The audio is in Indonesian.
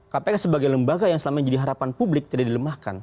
kpk sebagai lembaga yang selama ini jadi harapan publik tidak dilemahkan